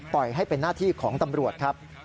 ปล่อยให้เป็นหน้าที่ของตำรวจครับ